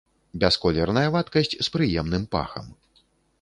Бясколерная вадкасць з прыемным пахам.